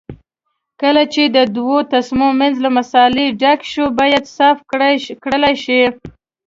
کله چې د دوو تسمو منځ له مسالې ډک شو باید صاف کړل شي.